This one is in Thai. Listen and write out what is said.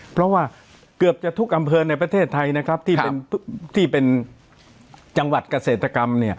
เพราะว่าเกือบจะทุกอำเภอในประเทศไทยนะครับที่เป็นจังหวัดเกษตรกรรม